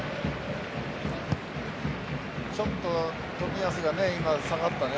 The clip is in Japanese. ちょっと冨安が今下がったね。